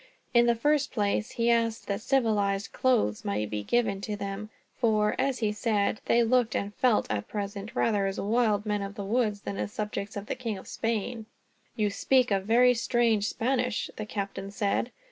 In the first place he asked that civilized clothes might be given to them; for, as he said, they looked and felt, at present, rather as wild men of the woods than as subjects of the King of Spain. "You speak a very strange Spanish," the captain said.